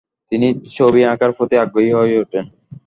তিনি ছবি আঁকার প্রতি আগ্রহী হয়ে উঠেন।